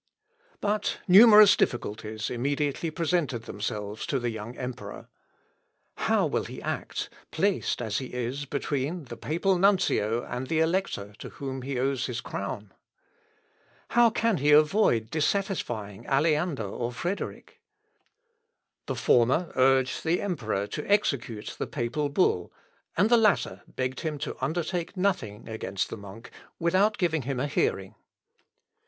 But numerous difficulties immediately presented themselves to the young emperor. How will he act, placed, as he is, between the papal nuncio and the Elector to whom he owes his crown? How can he avoid dissatisfying Aleander or Frederick? The former urged the emperor to execute the papal bull, and the latter begged him to undertake nothing against the monk without giving him a hearing.